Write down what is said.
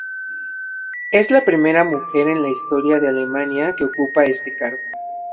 Es la primera mujer en la historia de Alemania que ocupa este cargo.